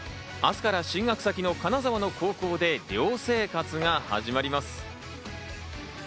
明日から進学先の金沢の高校で寮生活が始まります。